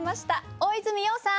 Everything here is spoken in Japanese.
大泉洋さん！